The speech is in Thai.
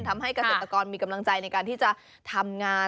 ทำให้เกษตรกรมีกำลังใจในการที่จะทำงาน